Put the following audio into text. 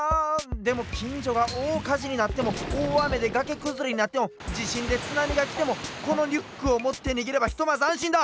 でもきんじょがおおかじになってもおおあめでがけくずれになってもじしんでつなみがきてもこのリュックをもってにげればひとまずあんしんだ！